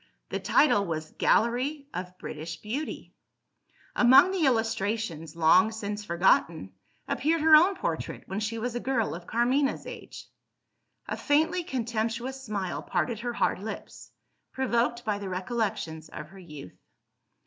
The title was "Gallery of British Beauty." Among the illustrations long since forgotten appeared her own portrait, when she was a girl of Carmina's age. A faintly contemptuous smile parted her hard lips, provoked by the recollections of her youth.